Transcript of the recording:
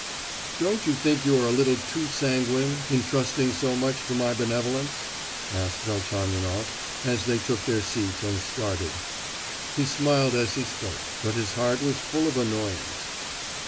"Don't you think you are a little too sanguine in trusting so much to my benevolence?" asked Velchaninoff, as they took their seats and started. He smiled as he spoke, but his heart was full of annoyance.